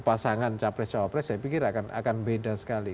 pasangan capres capres saya pikir akan beda sekali